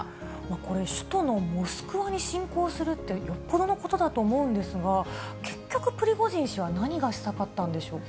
これ、首都のモスクワに進行するって、よっぽどのことだと思うんですが、結局、プリゴジン氏は何がしたかったんでしょうか。